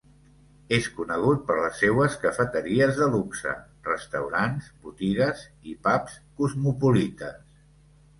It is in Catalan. És conegut per les seues cafeteries de luxe, restaurants, botigues i pubs cosmopolites.